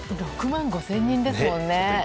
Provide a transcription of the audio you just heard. ６万５０００人ですもんね。